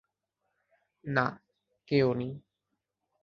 না, কে উনি?